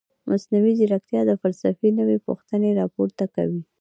مصنوعي ځیرکتیا د فلسفې نوې پوښتنې راپورته کوي.